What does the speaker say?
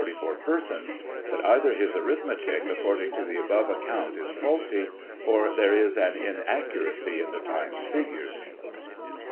179 He says he married 7,744 persons, but, either his arith metic, according to the above account, is faulty, or there is an inaccuracy in the Times figures.